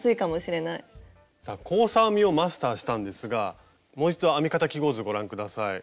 さあ交差編みをマスターしたんですがもう一度編み方記号図ご覧下さい。